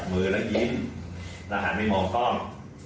กับมือและยินแล้วหาอาทิตย์มองกล้อง